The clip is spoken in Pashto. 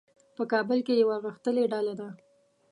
په کابل کې یوه غښتلې ډله ده.